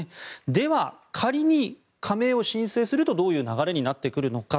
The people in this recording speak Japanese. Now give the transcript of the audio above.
では、仮に加盟を申請するとどういう流れになってくるのか。